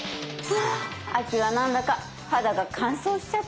ああ秋は何だか肌が乾燥しちゃって。